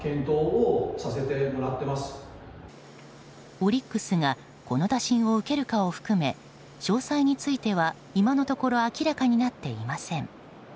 オリックスがこの打診を受けるかを含め詳細については、今のところ明らかになっていません。